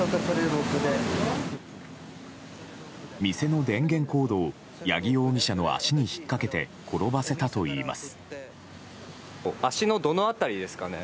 店の電源コードを八木容疑者の足に引っ掛けて転ばせたといいます。